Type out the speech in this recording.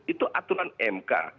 itu aturan mk